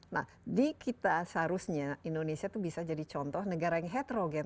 nah di kita seharusnya indonesia itu bisa jadi contoh negara yang heterogen